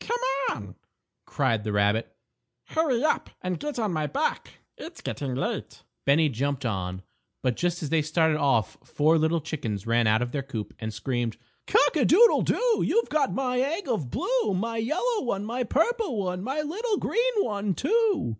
"Come on," cried the rabbit; "hurry up and get on my back; it's getting late." Bennie jumped on, but just as they started off four little chickens ran out of their coop and screamed: _Cock a doodle doo! You've got my egg of blue; My yellow one, my purple one, My little green one, too!